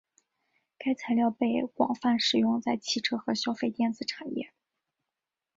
该材料被广泛使用在汽车和消费电子产业。